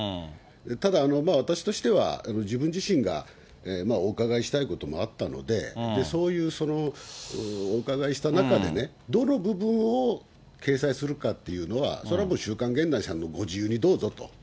ただ、私としては、自分自身がお伺いしたいこともあったので、そういう、お伺いした中で、どの部分を掲載するかっていうのは、それはもう、週刊現代さんのご自由にどうぞと。